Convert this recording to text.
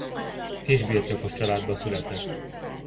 Kisbirtokos családba született.